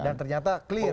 dan ternyata clear